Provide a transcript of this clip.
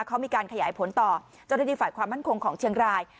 เขามีการขยายผลต่อเจ้าหน้าที่ฝ่ายความมั่นคงของเชียงราย